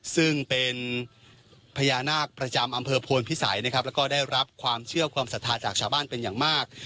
ซึ่งเป็นพญานาคประจำอำเภอโพนพิสัยนะครับแล้วก็ได้รับความเชื่อความศรัทธาจากชาวบ้านเป็นอย่างมาก